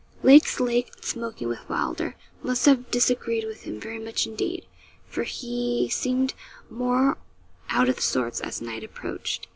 Lake's late smoking with Wylder must have disagreed with him very much indeed, for he seemed more out of sorts as night approached.